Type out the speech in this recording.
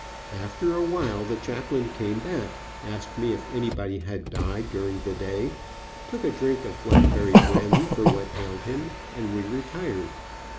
After a while the chaplain came back, asked me if anybody had died during the day, took a drink of blackberry brandy for what ailed him, and we retired.